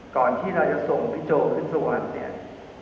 ก่อนที่เราจะส่งพี่โจ้ขึ้นสู่หลังแดน